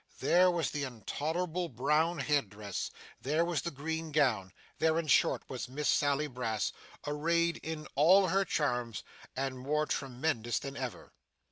There was the intolerable brown head dress there was the green gown there, in short, was Miss Sally Brass, arrayed in all her charms, and more tremendous than ever.